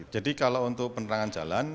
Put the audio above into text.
jadi kalau untuk penerangan jalan